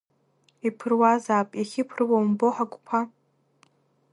Иԥыруазаап, иахьыԥыруа убома ҳагәқәа?!